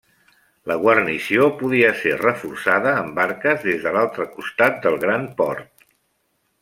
La guarnició podia ser reforçada amb barques des de l'altre costat del gran port.